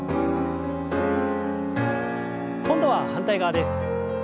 今度は反対側です。